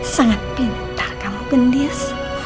sangat pintar kamu bendis